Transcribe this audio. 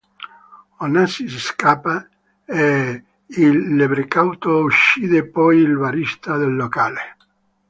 O'Nassis scappa e il leprecauno uccide poi il barista del locale.